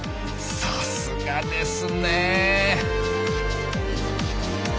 さすがですねえ！